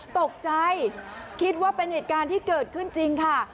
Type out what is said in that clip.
ตกใจคิดว่าเป็นเหตุการณ์ที่เกิดขึ้นจริงค่ะ